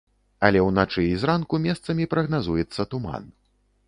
Але ўначы і зранку месцамі прагназуецца туман.